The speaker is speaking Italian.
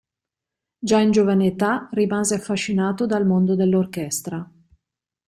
Già in giovane età rimase affascinato dal mondo dell'orchestra.